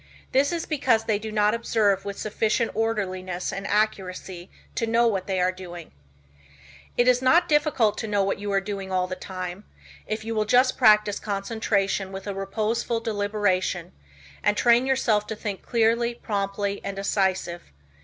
This is because they do not observe with sufficient orderliness and accuracy to know what they are doing. It is not difficult to know what you are doing all the time, if you will just practice concentration and with a reposeful deliberation, and train yourself to think clearly, promptly, and decisively.